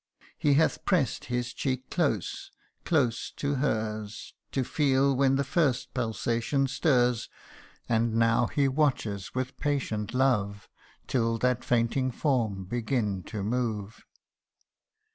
He hath press'd his cheek close, close to hers, To feel when the first pulsation stirs, And now he watches with patient love Till that fainting form begin to move.